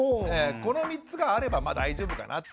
この３つがあればまあ大丈夫かなと。